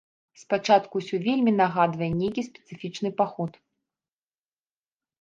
Спачатку ўсё вельмі нагадвае нейкі спецыфічны паход.